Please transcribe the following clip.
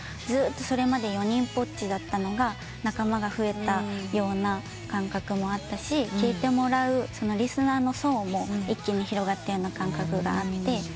ずっとそれまで４人ぽっちだったのが仲間が増えたような感覚もあったし聴いてもらうリスナーの層も一気に広がったような感覚があって。